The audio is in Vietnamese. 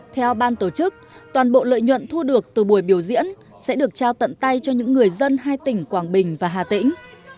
theo ban tổ chức toàn bộ lợi nhuận thu được từ buổi biểu diễn sẽ được trao tận tay cho những người dân hai tỉnh quảng bình và hà tĩnh